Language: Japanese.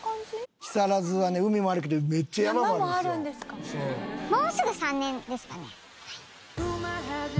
木更津は海もあるけどめっちゃ山もあるんですよ。